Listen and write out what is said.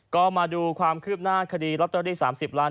ก็มาดูความคืบหน้าคดีลอตเตอรี่๓๐ล้าน